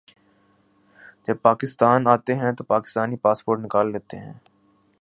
جب پاکستان آتے ہیں تو پاکستانی پاسپورٹ نکال لیتے ہیں